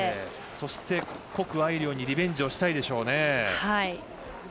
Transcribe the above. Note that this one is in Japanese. そして、谷愛凌にリベンジしたいでしょうね。